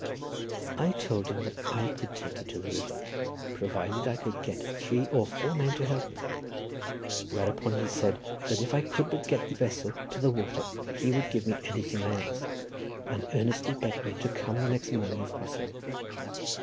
"I told him that I could take it to the river, provided I could but get three or four men to help me; whereupon he said that if I could but get the vessel to the water, he would give me anything I asked, and earnestly begged me to come the next morning, if possible.